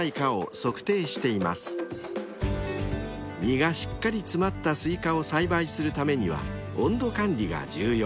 ［実がしっかり詰まったスイカを栽培するためには温度管理が重要］